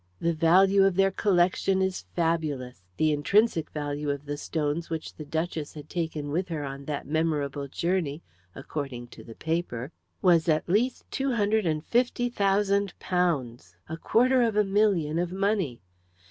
The value of their collection is fabulous the intrinsic value of the stones which the duchess had taken with her on that memorable journey, according to the paper, was at least £250,000 a quarter of a million of money!